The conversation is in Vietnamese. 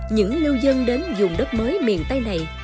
những lưu dân đến vùng đất mới miền tây này